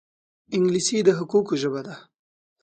انګلیسي د حقوقو ژبه ده